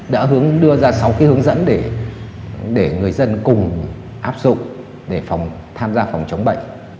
đã đưa ra sáu cái hướng dẫn để người dân cùng áp dụng để tham gia phòng chống bệnh